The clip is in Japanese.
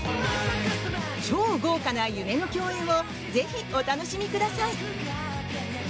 超豪華な夢の共演をぜひお楽しみください！